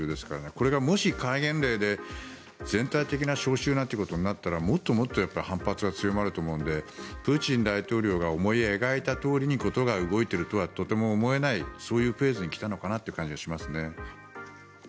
これがもし、戒厳令で全体的な招集ってことになったらもっともっと、やっぱり反発が強まると思うのでプーチン大統領が思い描いたとおりに事が動いているとはとても思えないそういうフェーズに来たのかなという感じがしますね。